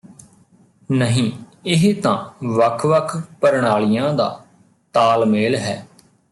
ਨਹੀਂ ਇਹ ਤਾਂ ਵੱਖ ਵੱਖ ਪ੍ਰਣਾਲੀਆਂ ਦਾ ਤਾਲਮੇਲ ਹੈ